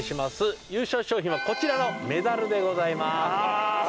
優勝賞品はこちらのメダルでございます。